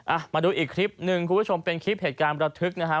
อ่ะมาดูอีกคลิปหนึ่งคุณผู้ชมเป็นคลิปเหตุการณ์ประทึกนะฮะ